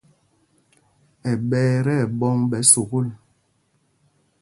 Ɛ́ ɓɛ̄y tí ɛɓɔ̌ŋ ɓɛ̌ sukûl.